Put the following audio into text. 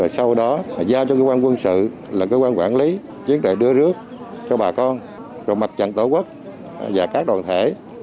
sau đó giao cho cơ quan quân sự cơ quan quản lý chiến đại đưa rước cho bà con mặt trận tổ quốc và các đoàn thể